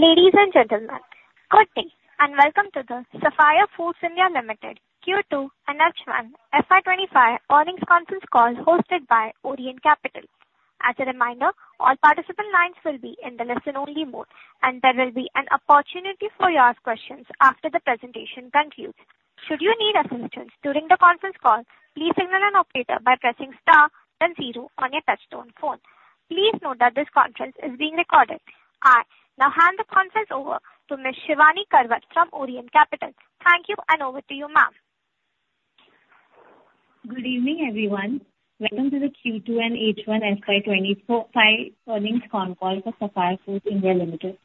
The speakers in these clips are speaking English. Ladies and gentlemen, good day, and welcome to the Sapphire Foods India Limited Q2 and H1 FY 2025 earnings conference call hosted by Orient Capital. As a reminder, all participant lines will be in the listen-only mode, and there will be an opportunity for you to ask questions after the presentation concludes. Should you need assistance during the conference call, please signal an operator by pressing star then zero on your touchtone phone. Please note that this conference is being recorded. I now hand the conference over to Ms. Shivani Karwat from Orient Capital. Thank you, and over to you, ma'am. Good evening, everyone. Welcome to the Q2 and H1 FY25 earnings conference call for Sapphire Foods India Limited.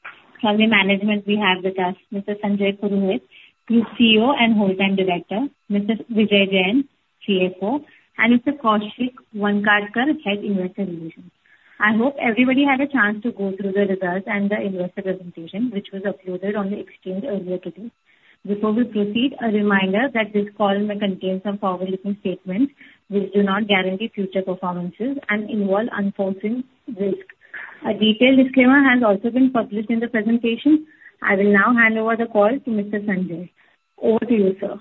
From the management, we have with us Mr. Sanjay Purohit, Group CEO and whole-time Director, Mr. Vijay Jain, CFO, and Mr. Kaushik Vankadkar, Head Investor Relations. I hope everybody had a chance to go through the results and the investor presentation, which was uploaded on the exchange earlier today. Before we proceed, a reminder that this call may contain some forward-looking statements, which do not guarantee future performances and involve unforeseen risk. A detailed disclaimer has also been published in the presentation. I will now hand over the call to Mr. Sanjay. Over to you, sir.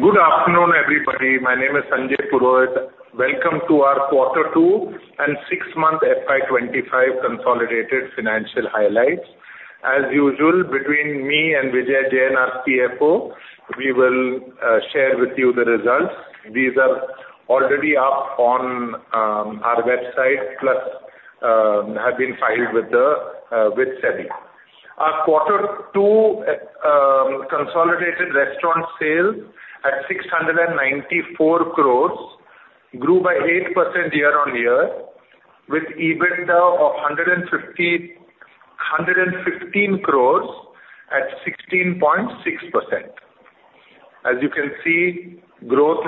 Good afternoon, everybody. My name is Sanjay Purohit. Welcome to our quarter two and six-month FY 2025 consolidated financial highlights. As usual, between me and Vijay Jain, our CFO, we will share with you the results. These are already up on our website, plus have been filed with SEBI. Our quarter two consolidated restaurant sales at 694 crores grew by 8% year-on-year, with EBITDA of 115 crores at 16.6%. As you can see, growth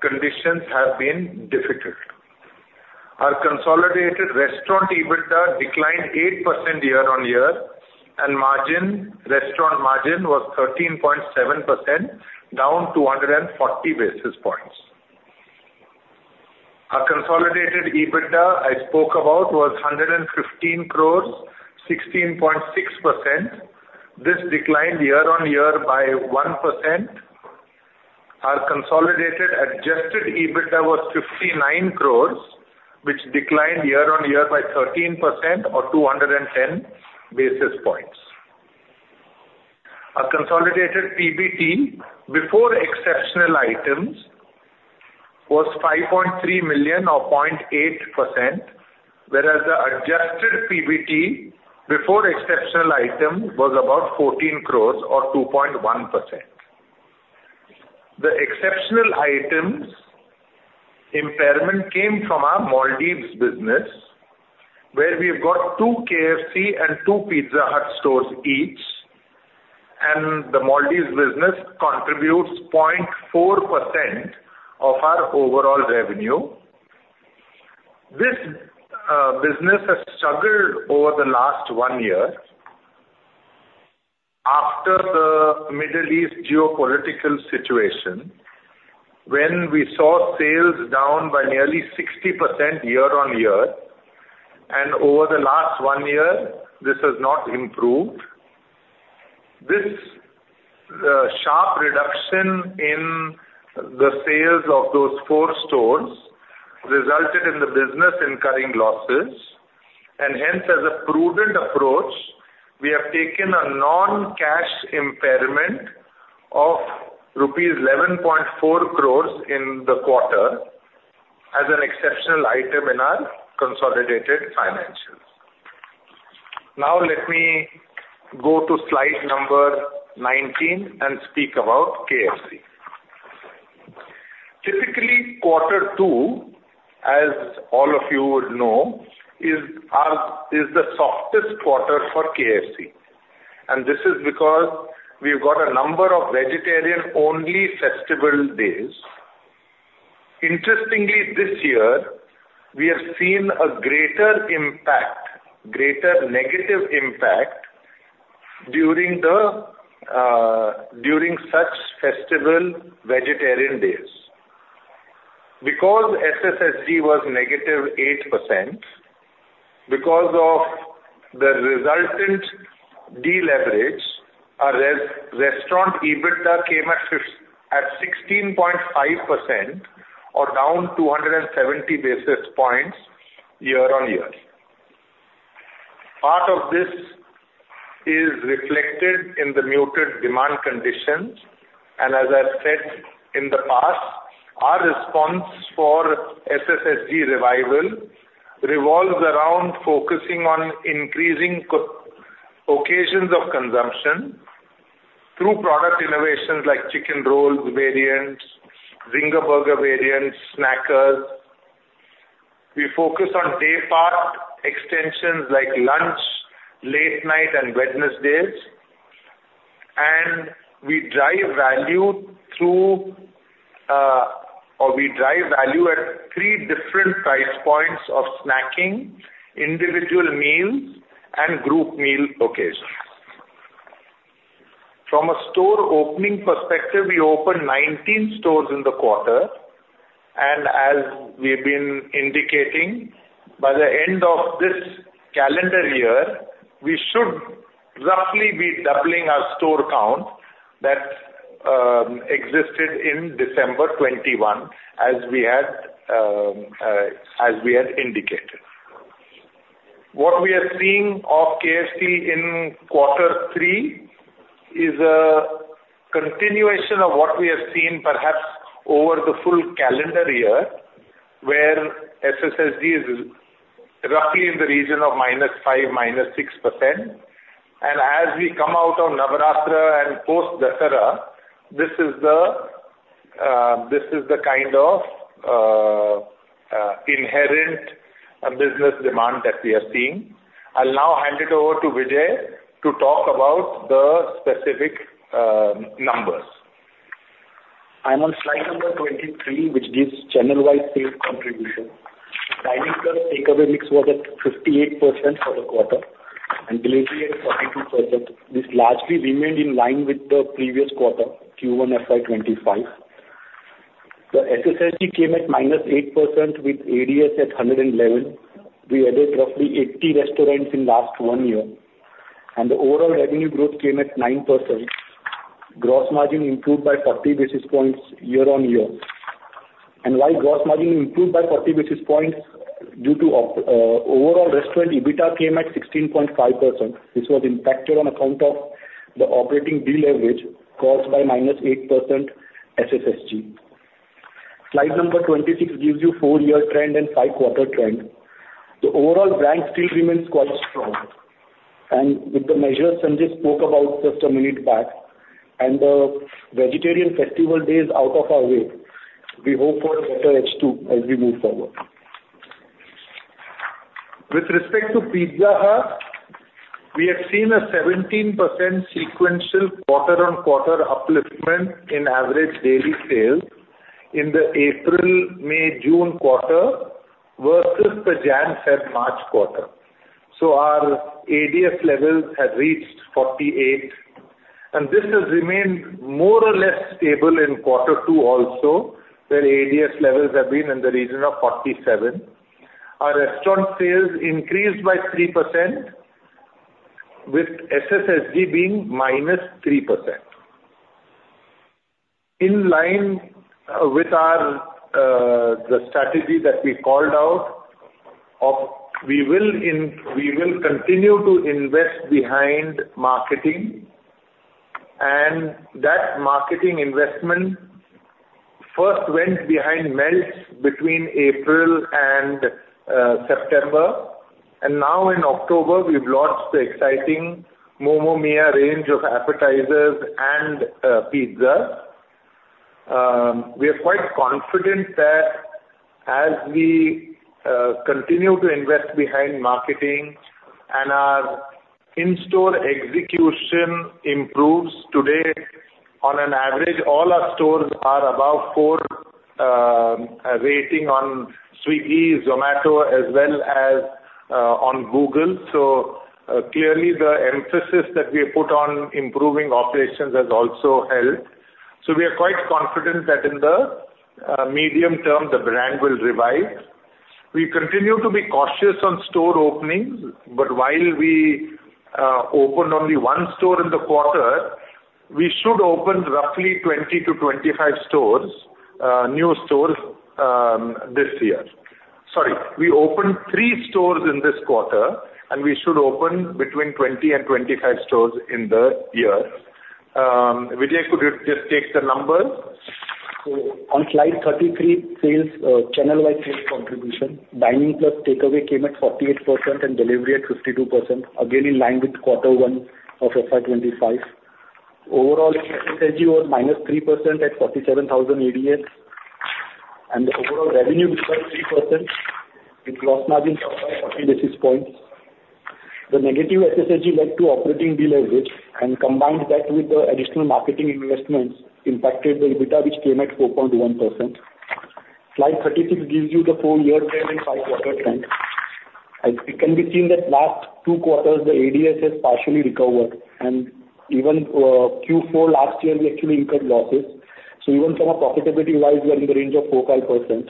conditions have been difficult. Our consolidated restaurant EBITDA declined 8% year-on-year, and restaurant margin was 13.7%, down 240 basis points. Our consolidated EBITDA I spoke about was 115 crores, 16.6%. This declined year-on-year by 1%. Our consolidated adjusted EBITDA was 59 crores, which declined year-on-year by 13% or 210 basis points. Our consolidated PBT before exceptional items was 5.3 million or 0.8%, whereas the adjusted PBT before exceptional item was about 14 crores or 2.1%. The exceptional items impairment came from our Maldives business, where we've got two KFC and two Pizza Hut stores each, and the Maldives business contributes 0.4% of our overall revenue. This business has struggled over the last one year after the Middle East geopolitical situation, when we saw sales down by nearly 60% year-on-year, and over the last one year, this has not improved. This sharp reduction in the sales of those four stores resulted in the business incurring losses, and hence, as a prudent approach, we have taken a non-cash impairment of rupees 11.4 crores in the quarter as an exceptional item in our consolidated financials. Now let me go to slide number 19 and speak about KFC. Typically, quarter two, as all of you would know, is the softest quarter for KFC, and this is because we've got a number of vegetarian-only festival days. Interestingly, this year, we have seen a greater impact, greater negative impact, during the, during such festival vegetarian days. Because SSSG was -8%, because of the resultant deleverage, our restaurant EBITDA came at 16.5% or down 270 basis points year on year. Part of this is reflected in the muted demand conditions, and as I've said in the past, our response for SSSG revival revolves around focusing on increasing co-occasions of consumption through product innovations like Chicken Rolls variants, Zinger Burger variants, Snackers. We focus on day part extensions like lunch, late night, and Wednesdays, and we drive value at three different price points of snacking, individual meals, and group meal occasions. From a store opening perspective, we opened 19 stores in the quarter, and as we've been indicating, by the end of this calendar year, we should roughly be doubling our store count that existed in December 2021, as we had indicated. What we are seeing of KFC in quarter three is a continuation of what we have seen perhaps over the full calendar year, where SSSG is roughly in the region of -5%, -6%. And as we come out of Navratri and post Dussehra, this is the kind of inherent business demand that we are seeing. I'll now hand it over to Vijay to talk about the specific numbers. I'm on slide number 23, which gives channel-wide sales contribution. Dining plus takeaway mix was at 58% for the quarter and delivery at 42%. This largely remained in line with the previous quarter, Q1 FY 2025. The SSSG came at -8% with ADS at 111. We added roughly 80 restaurants in last one year, and the overall revenue growth came at 9%. Gross margin improved by 40 basis points year on year. While gross margin improved by 40 basis points due to overall restaurant, EBITDA came at 16.5%. This was impacted on account of the operating deleverage caused by -8% SSSG. Slide number 26 gives you 4-year trend and 5-quarter trend. The overall brand still remains quite strong, and with the measures Sanjay spoke about just a minute back, and the vegetarian festival days out of our way, we hope for a better H2 as we move forward. With respect to Pizza Hut, we have seen a 17% sequential quarter on quarter upliftment in average daily sales in the April, May, June quarter versus the January, February, March quarter. So our ADS levels have reached 48, and this has remained more or less stable in quarter two also, where ADS levels have been in the region of 47. Our restaurant sales increased by 3%, with SSSG being -3%. In line with our the strategy that we called out of we will we will continue to invest behind marketing, and that marketing investment first went behind Melts between April and September. Now in October, we have launched the exciting Momo Mia range of appetizers and pizza. We are quite confident that as we continue to invest behind marketing and our in-store execution improves today, on an average, all our stores are above four rating on Swiggy, Zomato, as well as on Google. So clearly, the emphasis that we put on improving operations has also helped. So we are quite confident that in the medium term, the brand will revive. We continue to be cautious on store openings, but while we opened only one store in the quarter, we should open roughly 20-25 new stores this year. Sorry, we opened three stores in this quarter, and we should open between 20 and 25 stores in the year. Vijay, could you just take the numbers? On slide 33, sales, channel-wide sales contribution, dining plus takeaway came at 48% and delivery at 52%, again, in line with quarter one of FY 2025. Overall, SSSG was -3% at 47,000 ADS, and the overall revenue grew by 3%, with gross margin up by 40 basis points. The negative SSSG led to operating deleverage, and combined that with the additional marketing investments impacted the EBITDA, which came at 4.1%. Slide 36 gives you the 4-year trend and 5-quarter trend. As it can be seen that last two quarters, the ADS has partially recovered, and even Q4 last year, we actually incurred losses. Even from a profitability-wise, we are in the range of 4%-5%.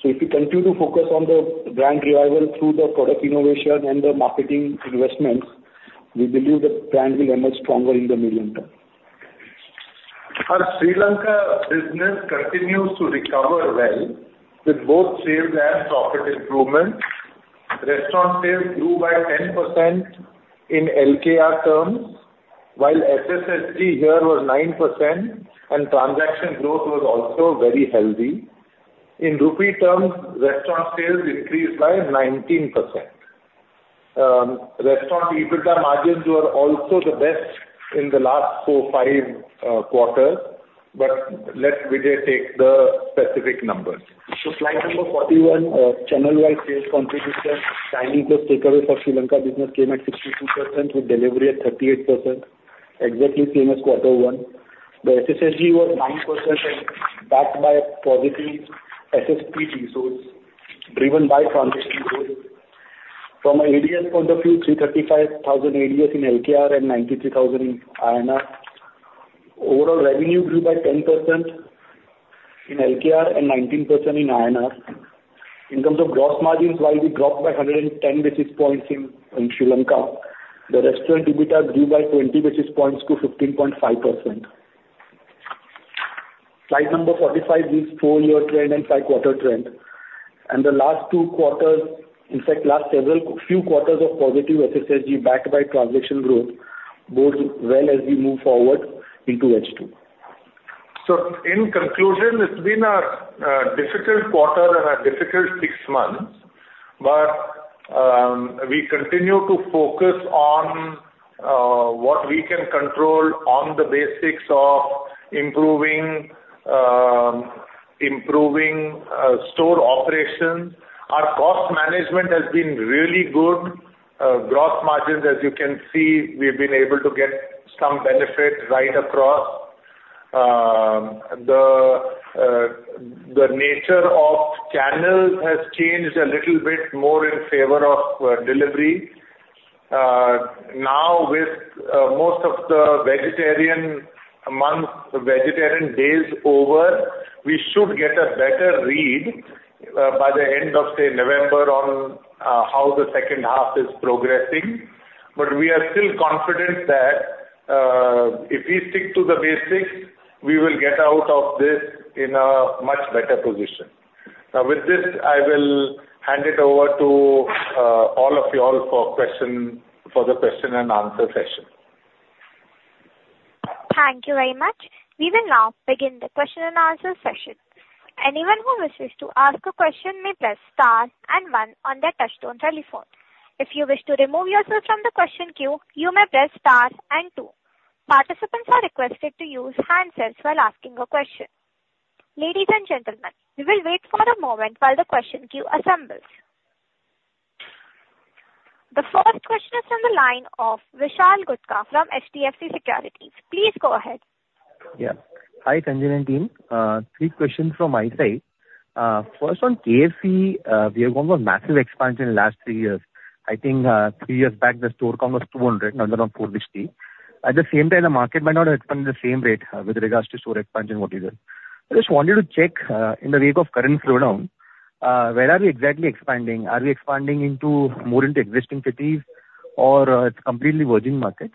So if we continue to focus on the brand revival through the product innovation and the marketing investments, we believe the brand will emerge stronger in the medium term. Our Sri Lanka business continues to recover well, with both sales and profit improvement. Restaurant sales grew by 10% in LKR terms, while SSSG here was 9% and transaction growth was also very healthy. In rupee terms, restaurant sales increased by 19%. Restaurant EBITDA margins were also the best in the last four, five quarters, but let Vijay take the specific numbers. Slide number 41, channel-wide sales contribution. Dining plus takeaway for Sri Lanka business came at 62%, with delivery at 38%, exactly same as quarter one. The SSSG was 9% and backed by a positive SSTG results, driven by transaction growth. From an ADS point of view, LKR 335,000 ADS and 93,000 INR. Overall revenue grew by 10% in LKR and 19% in INR. In terms of gross margins, while we dropped by 110 basis points in Sri Lanka, the restaurant EBITDA grew by 20 basis points to 15.5%. Slide number 45 is four-year trend and five-quarter trend, and the last two quarters, in fact, last several few quarters of positive SSSG backed by transaction growth bodes well as we move forward into H2. So in conclusion, it's been a difficult quarter and a difficult six months, but we continue to focus on what we can control on the basics of improving store operations. Our cost management has been really good. Gross margins, as you can see, we've been able to get some benefit right across. The nature of channels has changed a little bit more in favor of delivery. Now, with most of the vegetarian month, the vegetarian days over, we should get a better read by the end of, say, November on how the second half is progressing. But we are still confident that if we stick to the basics, we will get out of this in a much better position. Now, with this, I will hand it over to all of you all for the question-and-answer session. Thank you very much. We will now begin the question-and-answer session. Anyone who wishes to ask a question may press star and one on their touchtone telephone. If you wish to remove yourself from the question queue, you may press star and two. Participants are requested to use handsets while asking a question. Ladies and gentlemen, we will wait for a moment while the question queue assembles. The first question is from the line of Vishal Gutka from HDFC Securities. Please go ahead. Yeah. Hi, Sanjay and team. Three questions from my side. First, on KFC, we have gone for massive expansion in last three years. I think, three years back, the store count was 200, now they are 450. At the same time, the market might not have expanded the same rate, with regards to store expansion, what is it? I just wanted to check, in the wake of current slowdown, where are we exactly expanding? Are we expanding into more into existing cities or, it's completely virgin markets?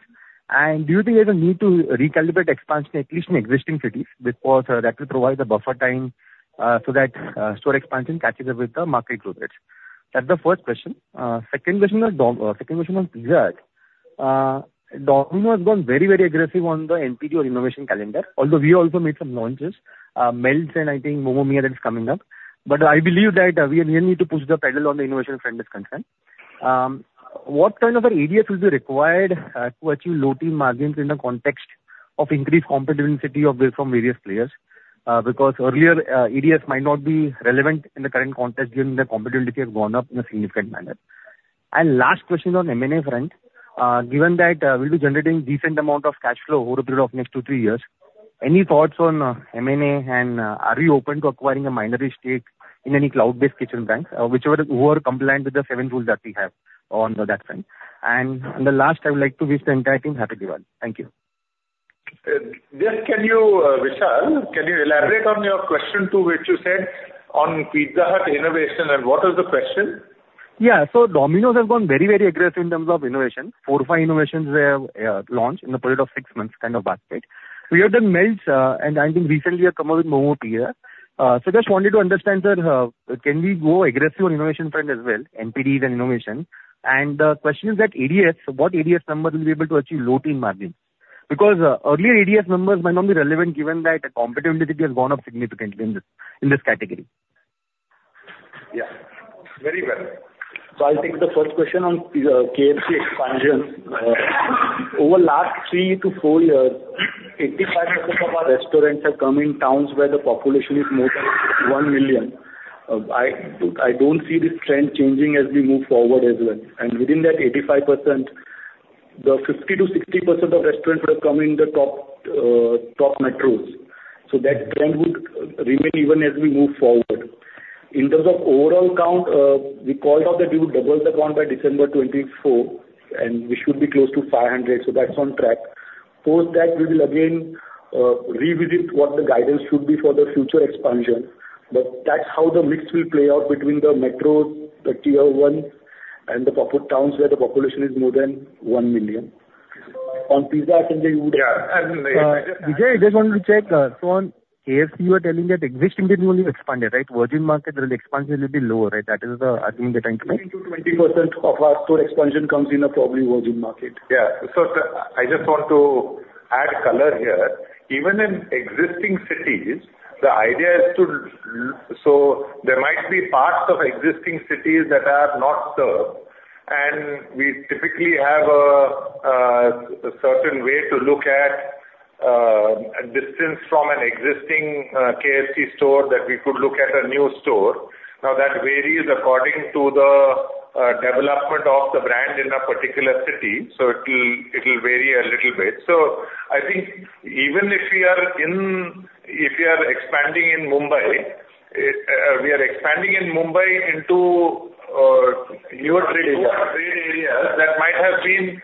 And do you think there's a need to recalibrate expansion, at least in existing cities, because, that will provide the buffer time, so that, store expansion catches up with the market growth rates? That's the first question. Second question was Pizza Hut. Domino's has gone very, very aggressive on the NPD or innovation calendar, although we also made some launches, Melts, and I think Momo Mia that is coming up. But I believe that, we really need to push the pedal on the innovation front as concerned. What kind of ADS is required, to achieve low-teen margins in the context of increased competitiveness of this from various players? Because earlier, ADS might not be relevant in the current context, given the competitiveness has gone up in a significant manner, and last question on M&A front. Given that, we'll be generating decent amount of cash flow over a period of next two, three years, any thoughts on, M&A? Are you open to acquiring a minority stake in any cloud-based kitchen brands, whichever who are compliant with the seven rules that we have on that front? Last, I would like to wish the entire team happy Diwali. Thank you. Just, can you, Vishal, can you elaborate on your question two, which you said on Pizza Hut innovation? And what was the question? Yeah. So Domino's has gone very, very aggressive in terms of innovation. Four or five innovations they have launched in a period of six months, kind of back-to-back. We have done Melts, and I think recently you have come out with Momo Mia. So just wanted to understand, sir, can we go aggressive on innovation front as well, NPDs and innovation? And the question is that ADS, what ADS number will be able to achieve low-teen margins? Because earlier ADS numbers might not be relevant, given that the competitiveness has gone up significantly in this, in this category. Yeah. Very well. So I'll take the first question on KFC expansion. Over last three to four years, 85% of our restaurants have come in towns where the population is more than 1 million. I don't see this trend changing as we move forward as well. And within that 85%, the 50% to 60% of restaurants would have come in the top top metros. So that trend would remain even as we move forward. In terms of overall count, we called out that we would double the count by December 2024, and we should be close to 500, so that's on track. Post that, we will again revisit what the guidance should be for the future expansion. But that's how the mix will play out between the metros, the Tier One, and the populous towns where the population is more than one million. On Pizza Hut, I think you would- Yeah, and, Vijay, I just wanted to check, so on KFC, you are telling that existing cities only expanded, right? Virgin market, there is expansion will be lower, right? That is the assumption I'm trying to make. 20%-20% of our store expansion comes in a probably virgin market. Yeah. So I just want to add color here. Even in existing cities, the idea is, so there might be parts of existing cities that are not served, and we typically have a certain way to look at a distance from an existing KFC store that we could look at a new store. Now, that varies according to the development of the brand in a particular city, so it'll vary a little bit. So I think even if we are expanding in Mumbai, we are expanding in Mumbai into newer trade areas that might have been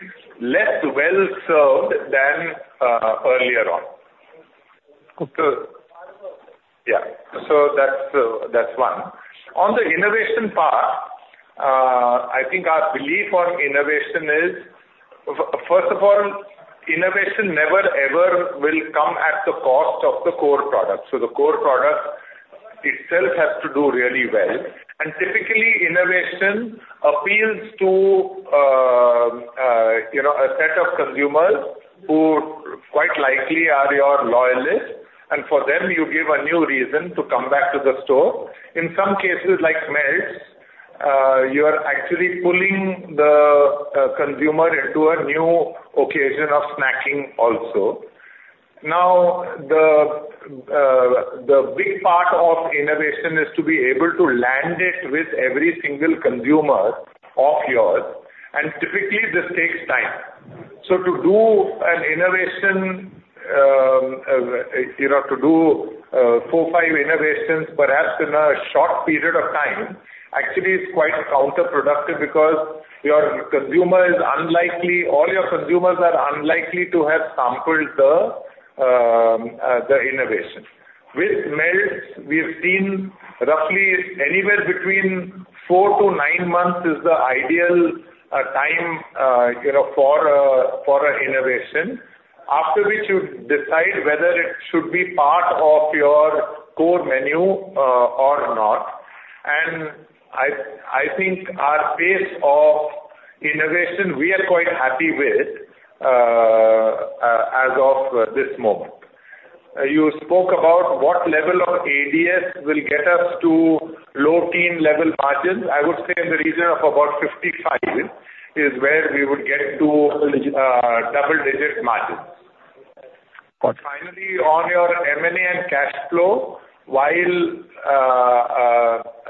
less well-served than earlier on. Yeah. So that's, that's one. On the innovation part, I think our belief on innovation is, first of all, innovation never, ever will come at the cost of the core product. So the core product itself has to do really well. And typically, innovation appeals to, you know, a set of consumers who quite likely are your loyalists, and for them, you give a new reason to come back to the store. In some cases, like Melts, you are actually pulling the consumer into a new occasion of snacking also. Now, the big part of innovation is to be able to land it with every single consumer of yours, and typically this takes time. So to do an innovation, you know, to do four, five innovations, perhaps in a short period of time, actually is quite counterproductive because your consumer is unlikely all your consumers are unlikely to have sampled the innovation. With Melts, we've seen roughly anywhere between four to nine months is the ideal time, you know, for a innovation, after which you decide whether it should be part of your core menu or not. And I think our pace of innovation, we are quite happy with as of this moment. You spoke about what level of ADS will get us to low-teen level margins. I would say in the region of about 55 is where we would get to double-digit margins. Finally, on your M&A and cash flow, while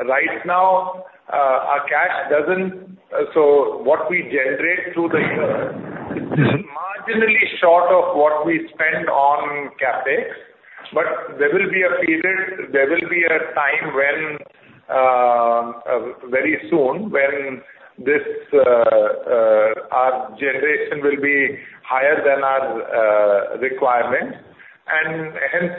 right now so what we generate through the year is marginally short of what we spend on CapEx, but there will be a period, there will be a time when very soon, when this our generation will be higher than our requirements. And hence,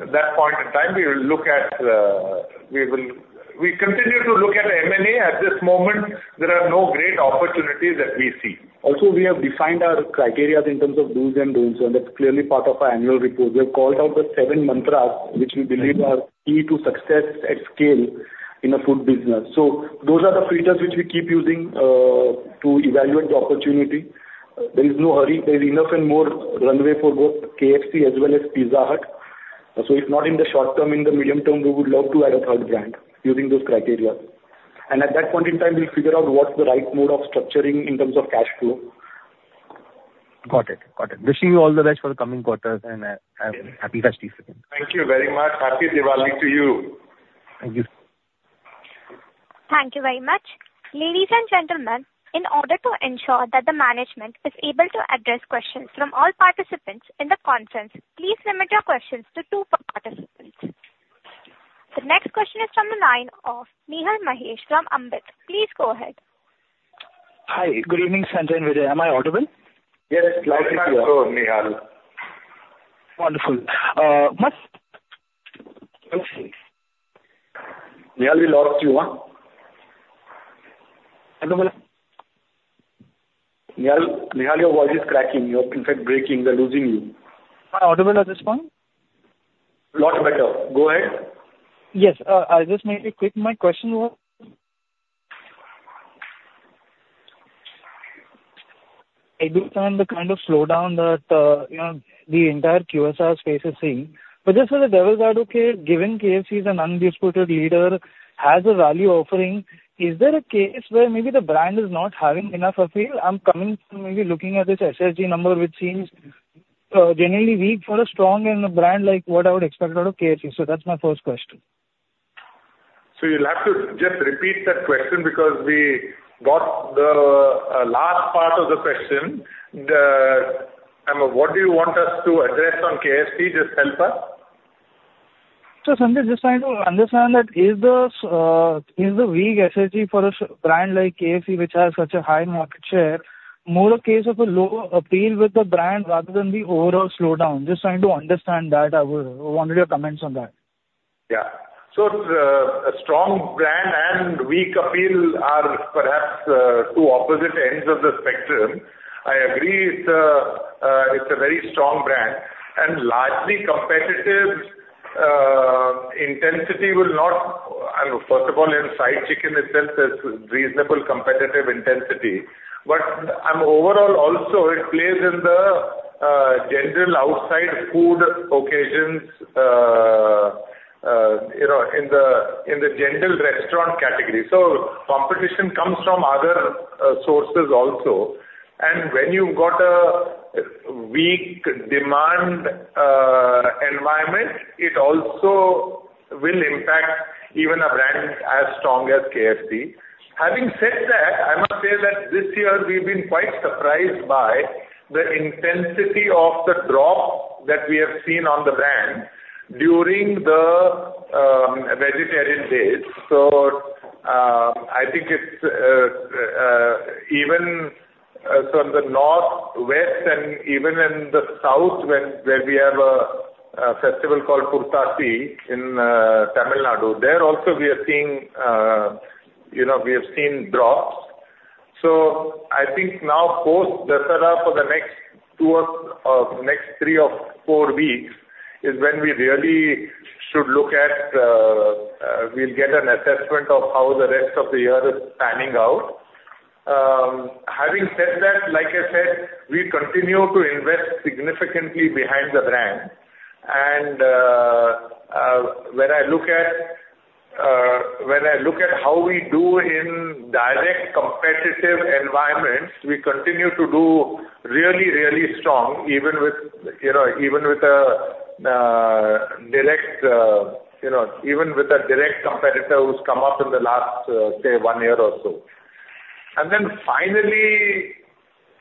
at that point in time, we will look at M&A. We continue to look at M&A. At this moment, there are no great opportunities that we see. Also, we have defined our criteria in terms of dos and don'ts, and that's clearly part of our annual report. We have called out the seven mantras, which we believe are key to success at scale in a food business. So those are the filters which we keep using to evaluate the opportunity. There is no hurry. There is enough and more runway for both KFC as well as Pizza Hut. So if not in the short term, in the medium term, we would love to add a third brand using those criteria. And at that point in time, we'll figure out what's the right mode of structuring in terms of cash flow. Got it. Got it. Wishing you all the best for the coming quarters, and happy festive season. Thank you very much. Happy Diwali to you! Thank you. Thank you very much. Ladies and gentlemen, in order to ensure that the management is able to address questions from all participants in the conference, please limit your questions to two per participant. The next question is from the line of Nihal Mahesh from Ambit. Please go ahead. Hi, good evening, Sanjay and Vijay. Am I audible? Yes, loud and clear. Hello, Nihal. Wonderful. First- Nihal, we lost you, huh? Hello. Nihal, Nihal, your voice is cracking. You're, in fact, breaking. We're losing you. Am I audible at this point? Lot better. Go ahead. Yes, I'll just make it quick. My question was, I do understand the kind of slowdown that, you know, the entire QSR space is seeing. But just so the details are okay, given KFC is an undisputed leader, has a value offering, is there a case where maybe the brand is not having enough appeal? I'm coming from maybe looking at this SSSG number, which seems, generally weak for a strong brand like what I would expect out of KFC. So that's my first question. So you'll have to just repeat that question because we got the last part of the question. What do you want us to address on KFC? Just help us. So Sanjay, just trying to understand, is the weak SSSG for a brand like KFC, which has such a high market share, more a case of a lower appeal with the brand rather than the overall slowdown? Just trying to understand that. I wanted your comments on that. Yeah. So, a strong brand and weak appeal are perhaps two opposite ends of the spectrum. I agree it's a very strong brand, and largely competitive intensity will not. First of all, in fried chicken itself, there's reasonable competitive intensity. But, overall, also, it plays in the general outside food occasions, you know, in the general restaurant category. So competition comes from other sources also. And when you've got a weak demand environment, it also will impact even a brand as strong as KFC. Having said that, I must say that this year we've been quite surprised by the intensity of the drop that we have seen on the brand during the vegetarian days. So, I think it's even from the northwest and even in the south, where we have a festival called Purattasi in Tamil Nadu. There also we are seeing, you know, we have seen drops. So I think now post Dussehra for the next two or next three or four weeks, is when we really should look at, we'll get an assessment of how the rest of the year is panning out. Having said that, like I said, we continue to invest significantly behind the brand. And when I look at how we do in direct competitive environments, we continue to do really, really strong, even with, you know, even with a direct competitor who's come up in the last, say, one year or so. And then finally,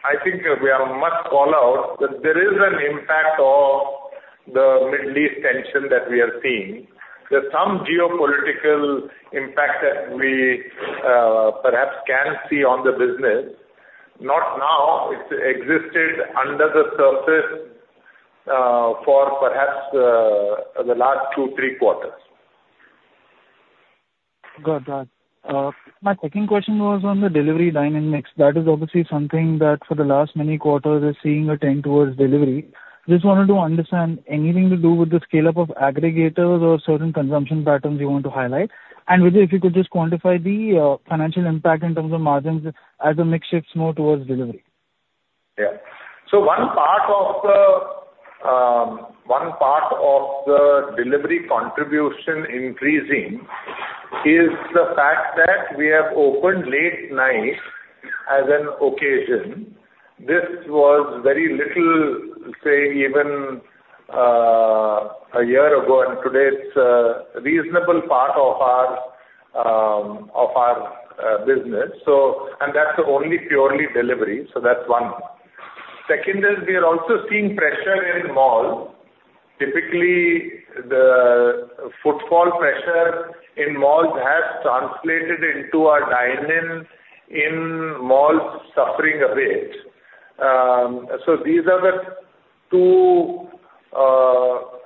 I think we are must call out that there is an impact of the Middle East tension that we are seeing. There's some geopolitical impact that we, perhaps can see on the business. Not now, it's existed under the surface, for perhaps, the last two, three quarters. Got that. My second question was on the delivery dine-in mix. That is obviously something that for the last many quarters, we're seeing a trend towards delivery. Just wanted to understand, anything to do with the scale-up of aggregators or certain consumption patterns you want to highlight? And Vijay, if you could just quantify the financial impact in terms of margins as the mix shifts more towards delivery. Yeah. So one part of the delivery contribution increasing is the fact that we have opened late night as an occasion. This was very little, say, even a year ago, and today it's a reasonable part of our business. So and that's only purely delivery. So that's one. Second is we are also seeing pressure in mall. Typically, the footfall pressure in malls has translated into our dine-in, in malls suffering a bit. So these are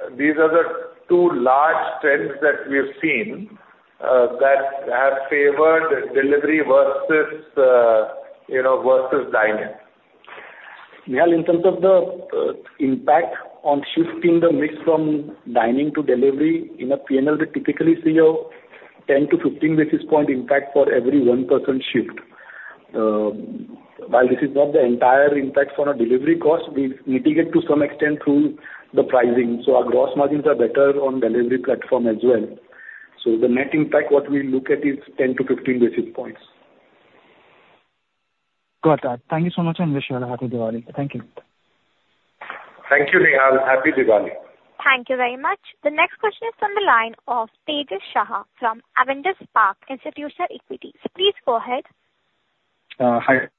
the two large trends that we have seen that have favored delivery versus, you know, versus dine-in. Nihal, in terms of the impact on shifting the mix from dining to delivery, in a PNL, we typically see a 10-15 basis point impact for every 1% shift. While this is not the entire impact on a delivery cost, we mitigate to some extent through the pricing, so our gross margins are better on delivery platform as well. So the net impact, what we look at, is 10-15 basis points. Got that. Thank you so much, and wish you a happy Diwali. Thank you. Thank you, Nihal. Happy Diwali. Thank you very much. The next question is from the line of Tejas Shah from Avendus Spark Institutional Equities. Please go ahead. Hi,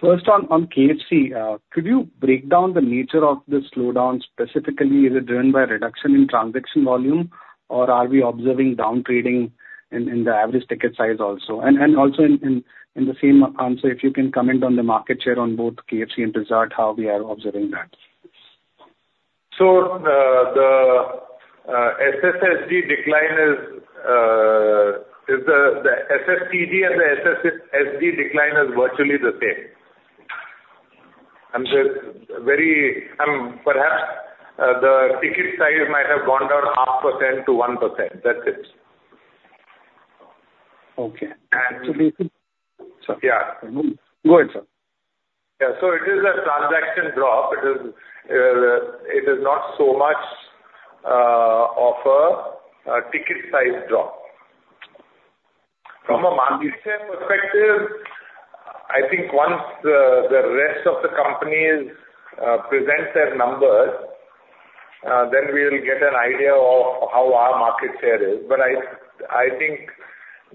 first on KFC. Could you break down the nature of the slowdown, specifically, is it driven by reduction in transaction volume, or are we observing down trading in the average ticket size also, and also in the same answer, if you can comment on the market share on both KFC and Pizza Hut, how we are observing that? So the SSSG decline is the SSSG and the SSSG decline is virtually the same. And perhaps the ticket size might have gone down 0.5% to 1%. That's it. Okay. And So basically Yeah. Go ahead, sir. Yeah, so it is a transaction drop. It is not so much of a ticket size drop. From a market share perspective, I think once the rest of the companies present their numbers, then we will get an idea of how our market share is. But I think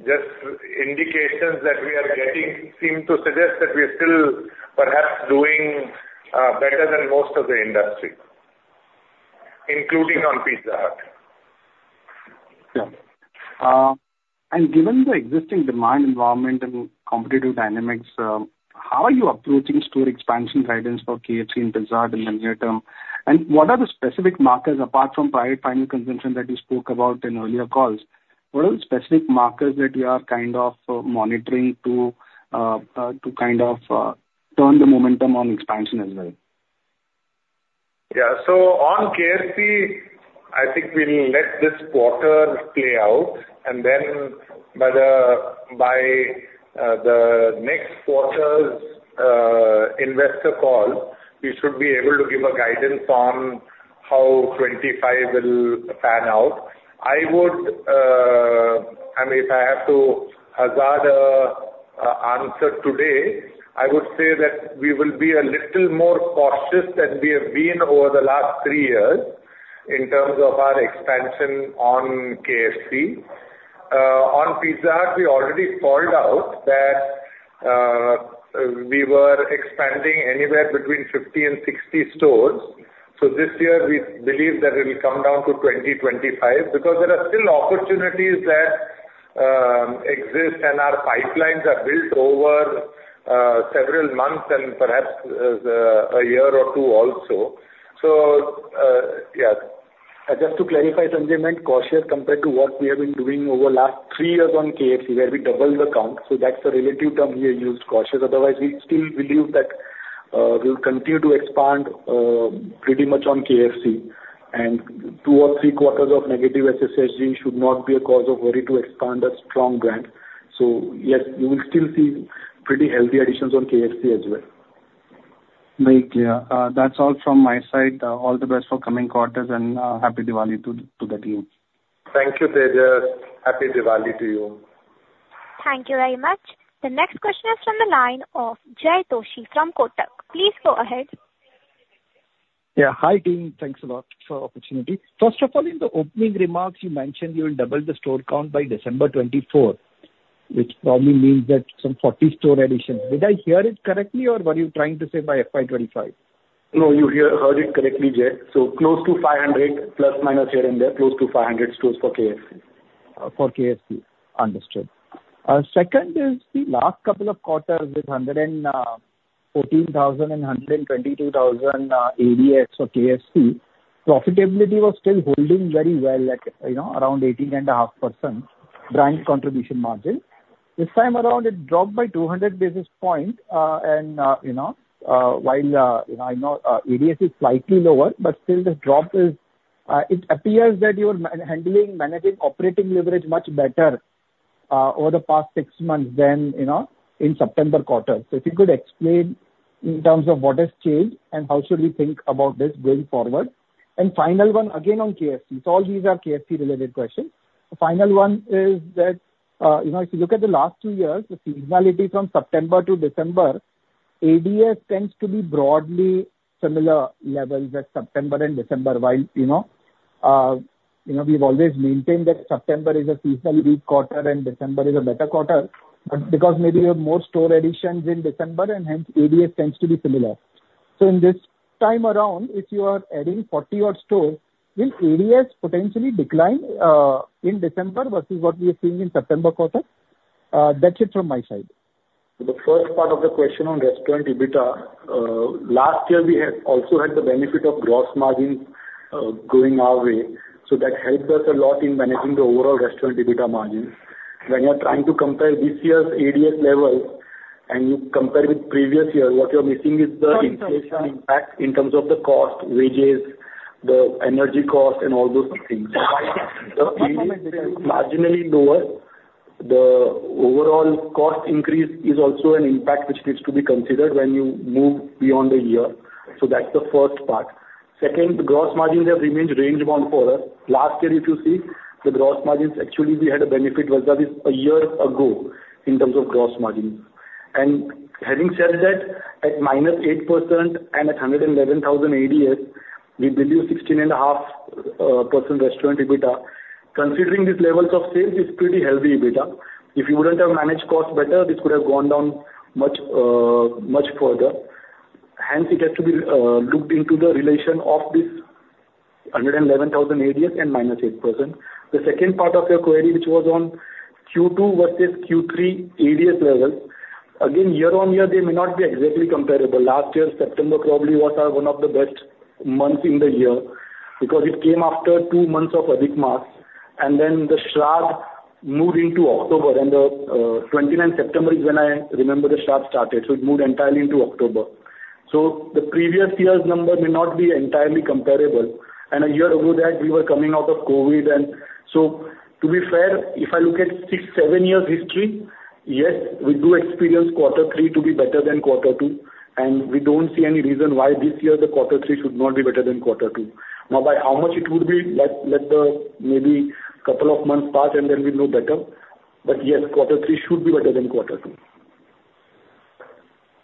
just indications that we are getting seem to suggest that we are still perhaps doing better than most of the industry, including on Pizza Hut. Yeah. And given the existing demand environment and competitive dynamics, how are you approaching store expansion guidance for KFC and Pizza Hut in the near term? And what are the specific markers, apart from private final consumption that you spoke about in earlier calls, that you are kind of monitoring to kind of turn the momentum on expansion as well? Yeah. So on KFC, I think we'll let this quarter play out, and then by the next quarter's investor call, we should be able to give a guidance on how 2025 will pan out. I would, I mean, if I have to hazard an answer today, I would say that we will be a little more cautious than we have been over the last three years in terms of our expansion on KFC. On Pizza Hut, we already called out that we were expanding anywhere between 50 and 60 stores. So this year, we believe that it will come down to 20-25, because there are still opportunities that exist, and our pipelines are built over several months and perhaps a year or two also. So, yeah. Just to clarify, Sanjay, we meant cautious compared to what we have been doing over the last three years on KFC, where we doubled the count. So that's a relative term we have used, cautious. Otherwise, we still believe that we'll continue to expand pretty much on KFC. And two or three quarters of negative SSSG should not be a cause of worry to expand a strong brand. So yes, you will still see pretty healthy additions on KFC as well. Very clear. That's all from my side. All the best for coming quarters, and happy Diwali to the team. Thank you, Tejas. Happy Diwali to you. Thank you very much. The next question is from the line of Jay Doshi from Kotak. Please go ahead. Yeah. Hi, team. Thanks a lot for the opportunity. First of all, in the opening remarks, you mentioned you will double the store count by December 2024, which probably means that some 40 store additions. Did I hear it correctly, or were you trying to say by FY 2025? No, you heard it correctly, Jay. So close to 500+/- here and there, close to 500 stores for KFC. For KFC. Understood. Second is the last couple of quarters with 114,000 and 122,000 ADS for KFC, profitability was still holding very well at, you know, around 18.5% Brand Contribution Margin. This time around, it dropped by 200 basis points, and, you know, while, you know, I know, ADS is slightly lower, but still the drop is. It appears that you are handling, managing operating leverage much better, over the past six months than, you know, in September quarter. So if you could explain in terms of what has changed and how should we think about this going forward? And final one, again, on KFC. So all these are KFC-related questions. The final one is that, you know, if you look at the last two years, the seasonality from September to December, ADS tends to be broadly similar levels at September and December, while, you know, you know, we've always maintained that September is a seasonally weak quarter and December is a better quarter, but because maybe you have more store additions in December, and hence, ADS tends to be similar. So in this time around, if you are adding 40-odd stores, will ADS potentially decline in December versus what we are seeing in September quarter? That's it from my side. The first part of the question on restaurant EBITDA, last year, we also had the benefit of gross margin going our way, so that helped us a lot in managing the overall restaurant EBITDA margin. When you are trying to compare this year's ADS level, and you compare with previous year, what you're missing is the inflation impact in terms of the cost, wages, the energy cost, and all those things. Marginally lower, the overall cost increase is also an impact which needs to be considered when you move beyond a year. So that's the first part. Second, the gross margins have remained range-bound for us. Last year, if you see, the gross margins, actually, we had a benefit versus a year ago in terms of gross margin. And having said that, at -8% and at 111,000 ADS, we believe 16.5% restaurant EBITDA, considering these levels of sales, is pretty healthy EBITDA. If you wouldn't have managed costs better, this could have gone down much, much further. Hence, it has to be looked into the relation of this 111,000 ADS and -8%. The second part of your query, which was on Q2 versus Q3 ADS levels, again, year on year, they may not be exactly comparable. Last year, September probably was one of the best months in the year because it came after two months of Adhik Maas, and then the Shraddh moved into October, and the 29th September is when I remember the Shraddh started, so it moved entirely into October, so the previous year's number may not be entirely comparable, and a year ago that we were coming out of COVID. And so to be fair, if I look at six, seven years history, yes, we do experience quarter three to be better than quarter two, and we don't see any reason why this year the quarter three should not be better than quarter two. Now, by how much it would be, let the maybe couple of months pass and then we'll know better. But yes, quarter three should be better than quarter two.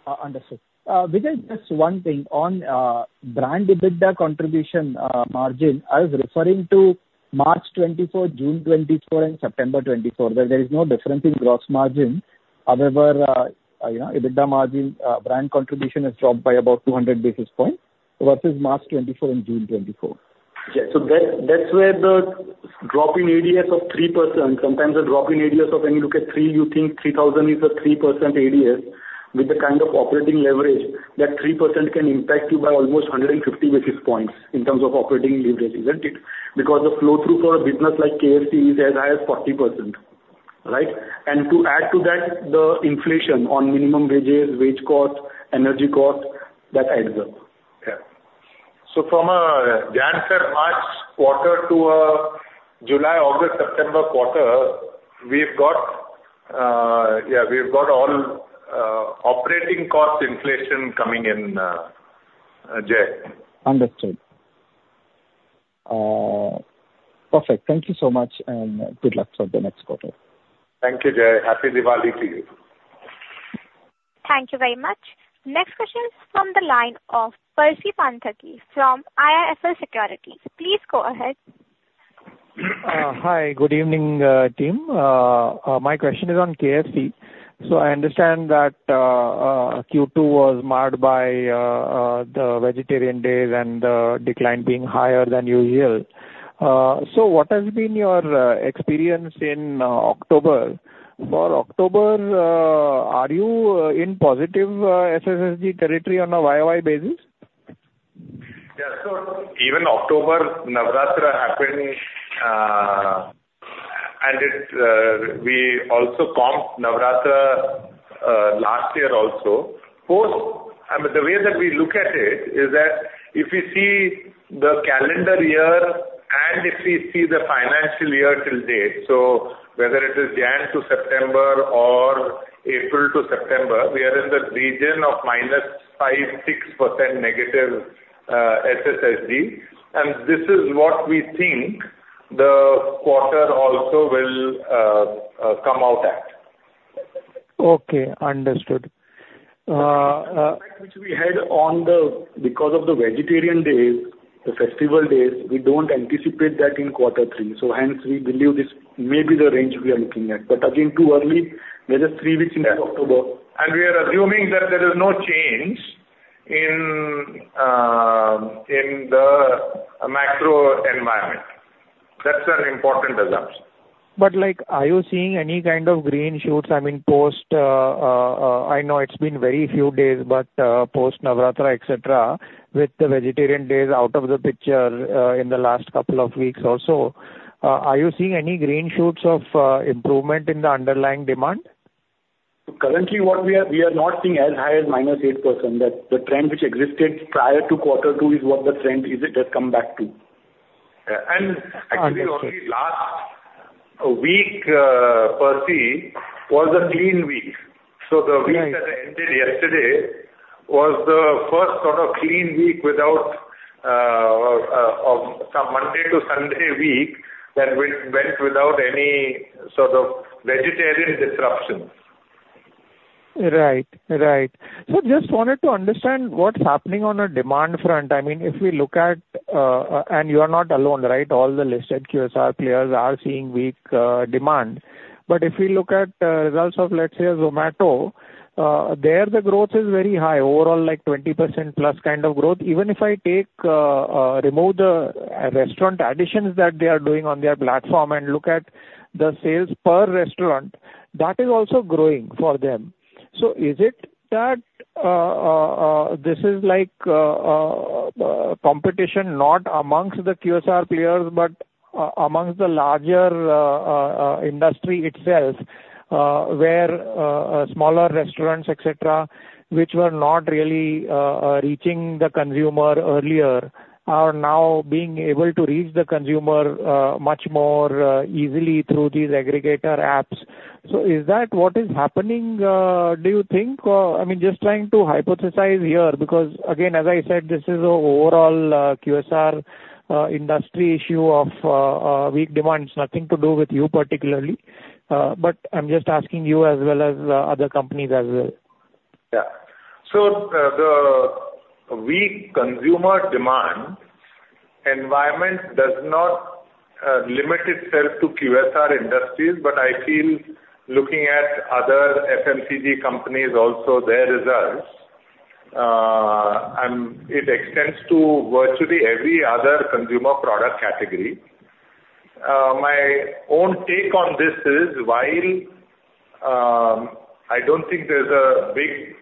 Understood. Vijay, just one thing. On brand EBITDA contribution margin, I was referring to March 2024, June 2024, and September 2024, where there is no difference in gross margin. However, you know, EBITDA margin brand contribution has dropped by about two hundred basis points versus March 2024 and June 2024. Yeah. So that, that's where the drop in ADS of 3%, sometimes a drop in ADS of when you look at three, you think 3,000 is a 3% ADS. With the kind of operating leverage, that 3% can impact you by almost 150 basis points in terms of operating leverage, isn't it? Because the flow-through for a business like KFC is as high as 40%, right? And to add to that, the inflation on minimum wages, wage costs, energy costs, that adds up. Yeah. So from a Jan-Mar quarter to a July, August, September quarter, we've got, yeah, we've got all operating cost inflation coming in, Jay. Understood. Perfect. Thank you so much, and good luck for the next quarter. Thank you, Jay. Happy Diwali to you. Thank you very much. Next question is from the line of Percy Panthaki from IIFL Securities. Please go ahead. Hi, good evening, team. My question is on KFC. So I understand that Q2 was marred by the vegetarian days and the decline being higher than usual. So what has been your experience in October? For October, are you in positive SSSG territory on a YOY basis? Yeah. So even October, Navratri happened, and it, we also comped Navratri, last year also. Post, I mean, the way that we look at it, is that if you see the calendar year and if we see the financial year till date, so whether it is January to September or April to September, we are in the region of -5% to -6% SSSG, and this is what we think the quarter also will come out at. Okay, understood. Which we had on the, because of the vegetarian days, the festival days, we don't anticipate that in quarter three, so hence, we believe this may be the range we are looking at. But again, too early, there's a three-week in October. And we are assuming that there is no change in, in the macro environment. That's an important assumption. But like, are you seeing any kind of green shoots? I mean, post, I know it's been very few days, but, post Navratri, et cetera, with the vegetarian days out of the picture, in the last couple of weeks or so, are you seeing any green shoots of improvement in the underlying demand? Currently, we are not seeing as high as -8%. That the trend which existed prior to quarter two is what the trend is. It has come back to. Yeah. Uh, okay. And actually, only last week, Percy, was a clean week. Right. So the week that ended yesterday was the first sort of clean week without, from Monday to Sunday week, that went without any sort of vegetarian disruptions. Right. So just wanted to understand what's happening on a demand front. I mean, if we look at, and you are not alone, right? All the listed QSR players are seeing weak demand. But if we look at results of, let's say, Zomato, there, the growth is very high, overall, like 20% plus kind of growth. Even if I take, remove the restaurant additions that they are doing on their platform and look at the sales per restaurant, that is also growing for them. So is it that this is like competition not amongst the QSR players, but amongst the larger industry itself, where smaller restaurants, et cetera, which were not really reaching the consumer earlier, are now being able to reach the consumer much more easily through these aggregator apps. So is that what is happening, do you think? I mean, just trying to hypothesize here, because, again, as I said, this is an overall QSR industry issue of weak demand. It's nothing to do with you particularly, but I'm just asking you as well as other companies as well. Yeah. So the weak consumer demand environment does not limit itself to QSR industries, but I feel looking at other FMCG companies also, their results, and it extends to virtually every other consumer product category. My own take on this is, while I don't think there's a big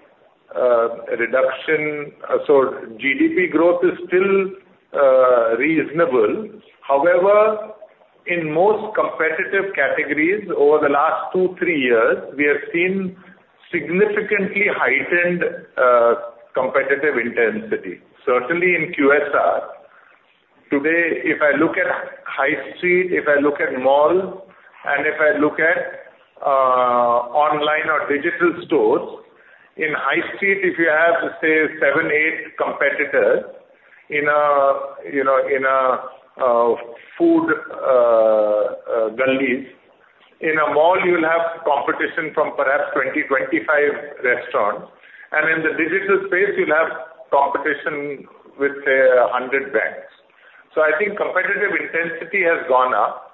reduction. So GDP growth is still reasonable. However, in most competitive categories over the last two, three years, we have seen significantly heightened competitive intensity, certainly in QSR. Today, if I look at high street, if I look at mall, and if I look at online or digital stores, in high street, if you have, say, seven, eight competitors in a, you know, in a food gullies, in a mall, you'll have competition from perhaps 20, 25 restaurants, and in the digital space, you'll have competition with, say, 100 brands. So I think competitive intensity has gone up,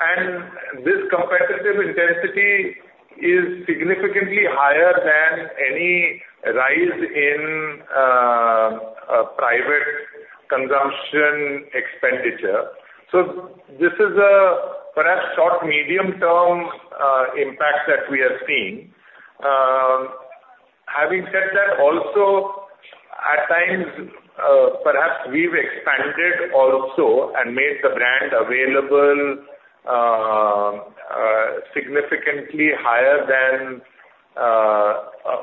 and this competitive intensity is significantly higher than any rise in private consumption expenditure. So this is a perhaps short, medium-term impact that we are seeing. Having said that, also at times, perhaps we've expanded also and made the brand available significantly higher than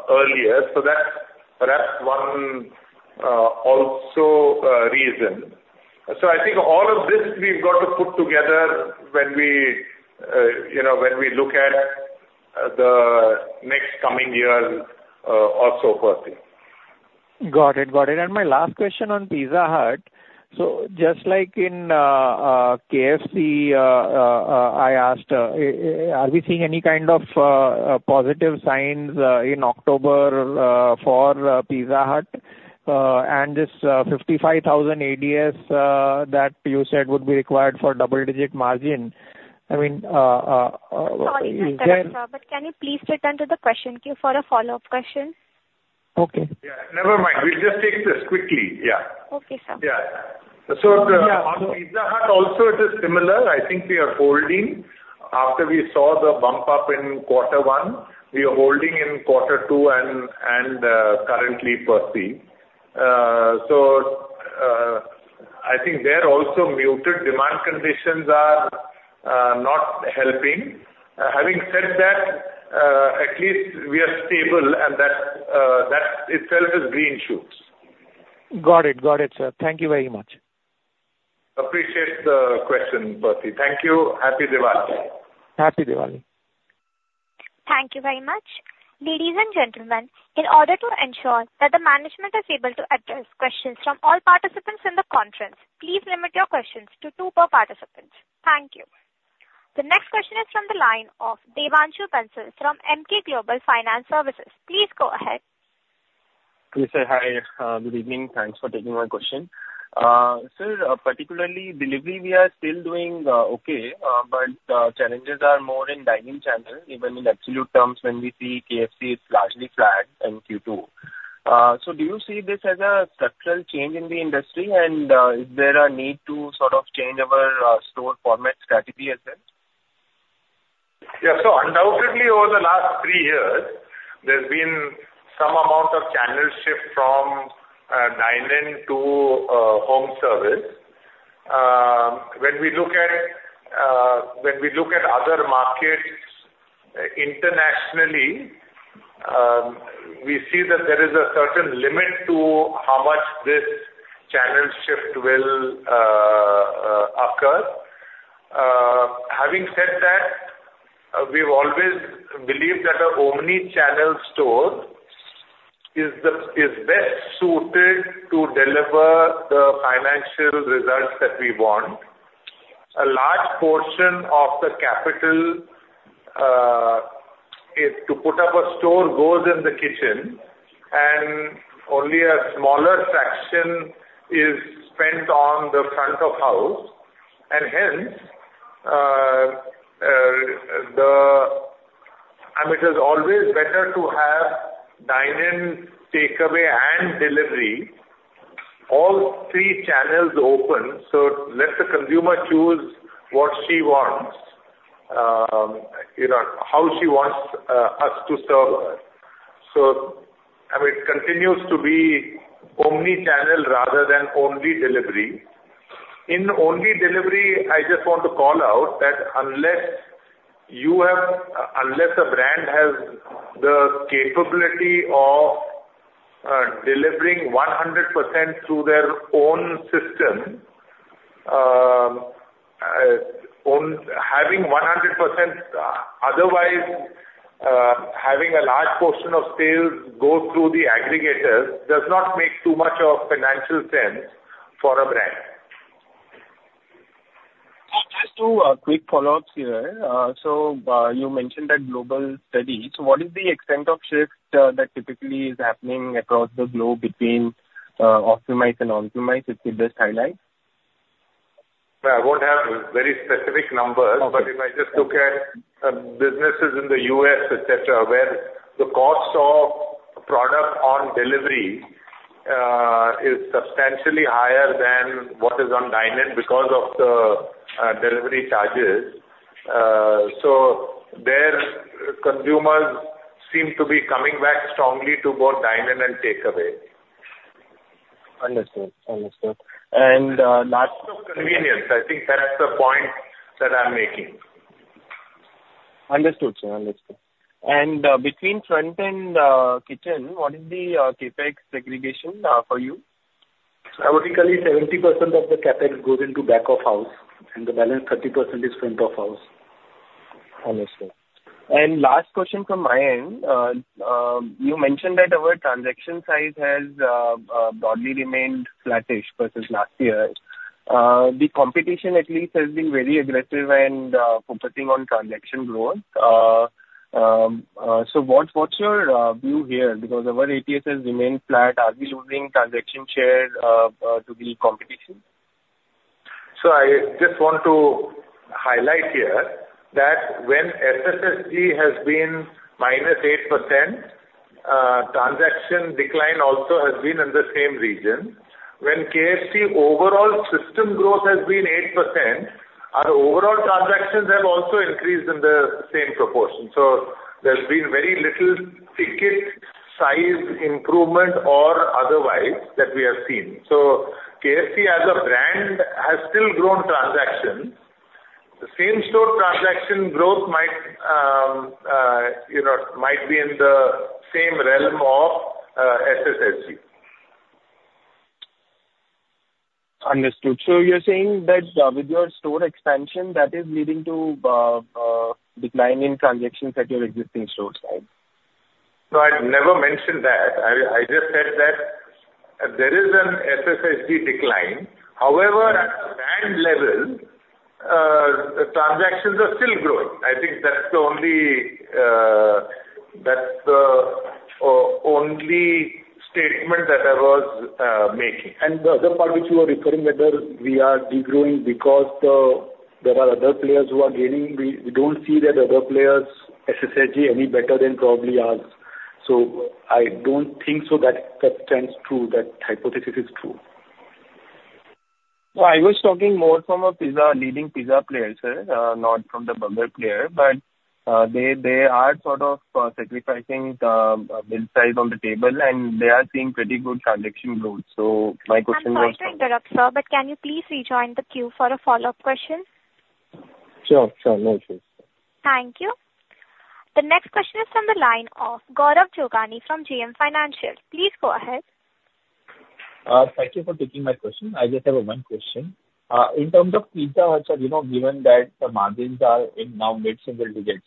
earlier. So that's perhaps one, also, reason. So I think all of this we've got to put together when we, you know, when we look at the coming year, or so, Percy. Got it. Got it. And my last question on Pizza Hut. So just like in KFC, I asked, are we seeing any kind of positive signs in October for Pizza Hut? And this 55,000 ADS that you said would be required for double-digit margin, I mean, is there- Sorry, sir, but can you please get on the question queue if you have a follow-up question? Okay. Yeah, never mind. We'll just take this quickly. Yeah. Okay, sir. Yeah. So on Pizza Hut also, it is similar. I think we are holding. After we saw the bump up in quarter one, we are holding in quarter two and currently per se, so I think they're also muted. Demand conditions are not helping. Having said that, at least we are stable and that itself is green shoots. Got it. Got it, sir. Thank you very much. Appreciate the question, Percy. Thank you. Happy Diwali! Happy Diwali. Thank you very much. Ladies and gentlemen, in order to ensure that the management is able to address questions from all participants in the conference, please limit your questions to two per participants. Thank you. The next question is from the line of Devanshu Bansal from Emkay Global Financial Services. Please go ahead. Yes, sir. Hi, good evening. Thanks for taking my question. Sir, particularly delivery, we are still doing okay, but the challenges are more in dine-in channel, even in absolute terms, when we see KFC, it's largely flat in Q2. So do you see this as a structural change in the industry, and is there a need to sort of change our store format strategy as well? Yeah. So undoubtedly, over the last three years, there's been some amount of channel shift from dine-in to home service. When we look at other markets internationally, we see that there is a certain limit to how much this channel shift will occur. Having said that, we've always believed that an omni-channel store is the best suited to deliver the financial results that we want. A large portion of the capital to put up a store goes in the kitchen, and only a smaller section is spent on the front of house, and hence, I mean, it is always better to have dine-in, takeaway, and delivery, all three channels open, so let the consumer choose what she wants, you know, how she wants us to serve her. I mean, it continues to be omni-channel rather than only delivery. In only delivery, I just want to call out that unless a brand has the capability of delivering 100% through their own system, otherwise having a large portion of sales go through the aggregators does not make too much of financial sense for a brand. Just two quick follow-ups here. So, you mentioned that global study. So what is the extent of shift that typically is happening across the globe between optimized and non-optimized, if you could just highlight? I won't have very specific numbers but if I just look at businesses in the U.S., et cetera, where the cost of product on delivery is substantially higher than what is on dine-in because of the delivery charges. So their consumers seem to be coming back strongly to both dine-in and takeaway. Understood. Understood. Convenience, I think that's the point that I'm making. Understood, sir. Understood. And, between front and kitchen, what is the CapEx segregation for you? Typically, 70% of the CapEx goes into back of house, and the balance 30% is front of house. Understood. And last question from my end. You mentioned that our transaction size has broadly remained flattish versus last year. The competition at least has been very aggressive and focusing on transaction growth. So what, what's your view here? Because our ADS has remained flat. Are we losing transaction share to the competition? So I just want to highlight here that when SSSG has been -8%, transaction decline also has been in the same region. When KFC overall system growth has been 8%, our overall transactions have also increased in the same proportion. So there's been very little ticket size improvement or otherwise that we have seen. So KFC as a brand has still grown transactions. The same store transaction growth might, you know, might be in the same realm of SSSG. Understood. So you're saying that, with your store expansion, that is leading to, decline in transactions at your existing stores side? No, I never mentioned that. I just said that there is an SSSG decline. However, at a brand level, transactions are still growing. I think that's the only statement that I was making. The other part which you are referring, whether we are degrowing because there are other players who are gaining, we don't see that other players SSSG any better than probably ours. So I don't think so that that stands true, that hypothesis is true. Well, I was talking more from a pizza-leading pizza player, sir, not from the burger player. But they are sort of sacrificing the bill size on the table, and they are seeing pretty good transaction growth. So my question was- I'm sorry to interrupt, sir, but can you please rejoin the queue for a follow-up question? Sure, sure. No issues. Thank you. The next question is from the line of Gaurav Jogani from JM Financial. Please go ahead. Thank you for taking my question. I just have one question. In terms of Pizza Hut, sir, you know, given that the margins are in now mid-single digits,